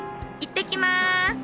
いってきます。